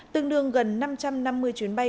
tương đương gần năm trăm năm mươi chuyến bay